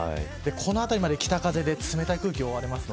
この辺りまで北風で冷たい空気に覆われます。